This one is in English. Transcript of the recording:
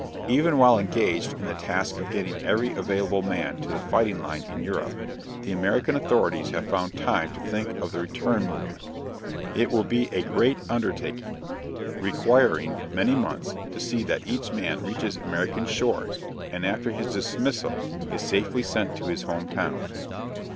Even while engaged in the task of getting every available man to the fighting line in Europe, the American authorities have found time to think of the return movement. It will be a great undertaking, requiring many months, to see that each man reaches American shores and after his dismissal is safely sent to his home town.